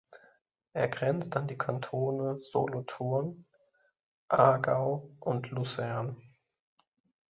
Er grenzt an die Kantone Solothurn, Aargau und Luzern.